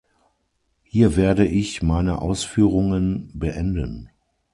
Hier werde ich meine Ausführungen beenden.